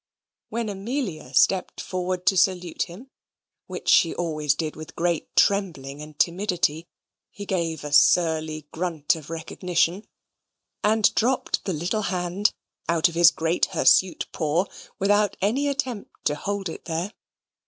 When Amelia stepped forward to salute him, which she always did with great trembling and timidity, he gave a surly grunt of recognition, and dropped the little hand out of his great hirsute paw without any attempt to hold it there.